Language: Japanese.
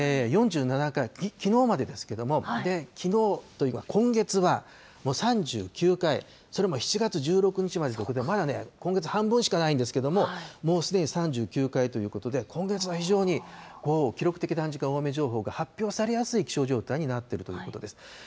４７回、きのうまでですけれども、きのうというか、今月はもう３９回、それも７月１６日までということで、まだね、今月半分しかないんですけれども、もうすでに３９回ということで、今月は非常に記録的短時間大雨情報が発表されやすい気象状態になっているということです。